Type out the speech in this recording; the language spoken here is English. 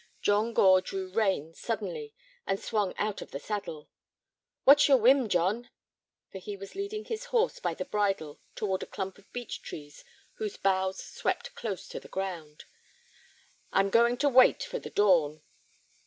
John Gore drew rein suddenly, and swung out of the saddle. "What's your whim, John?" For he was leading his horse by the bridle toward a clump of beech trees whose boughs swept close to the ground. "I am going to wait for the dawn."